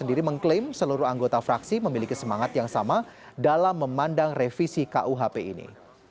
sendiri mengklaim seluruh anggota fraksi memiliki semangat yang sama dalam memandang revisi kuhp ini